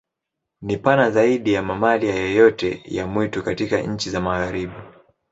Ni pana zaidi ya mamalia yoyote ya mwitu katika nchi za Magharibi.